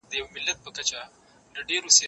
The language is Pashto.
زه له سهاره سبا ته فکر کوم،